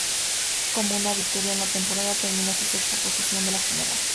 Con una victoria en la temporada, terminó en sexta posición de la general.